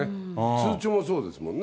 通帳もそうですもんね。